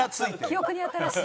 記憶に新しい。